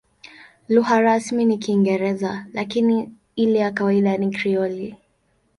Lugha rasmi ni Kiingereza, lakini ile ya kawaida ni Krioli.